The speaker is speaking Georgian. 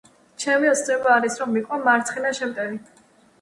ჩემი ოცნება არის რომ ვიყო მარცხენა შემტევი